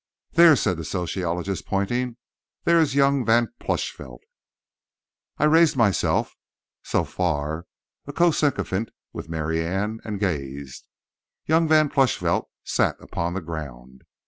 "There," said the sociologist, pointing, "there is young Van Plushvelt." I raised myself (so far a cosycophant with Mary Ann) and gazed. Young Van Plushvelt sat upon the ground.